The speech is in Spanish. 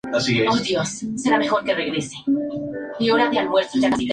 En lo sucesivo enseñaría derecho comercial tanto a estudiantes de leyes como de economía.